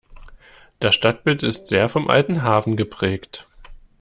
Das Stadtbild ist sehr vom alten Hafen geprägt.